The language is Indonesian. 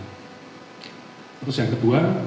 terus yang kedua